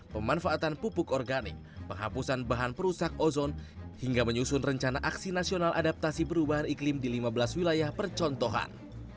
pemanfaatan pupuk organik penghapusan bahan perusak ozon hingga menyusun rencana aksi nasional adaptasi perubahan iklim di lima belas wilayah percontohan